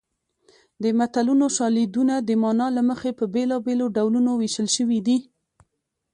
د متلونو شالیدونه د مانا له مخې په بېلابېلو ډولونو ویشل شوي دي